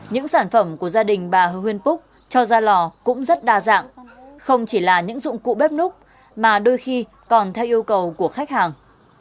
những sản phẩm của gia đình bà hương huyên púc cho ra lò cũng rất đa dạng không chỉ là những dụng cụ bếp nút mà đôi khi còn theo yêu cầu của khách hàng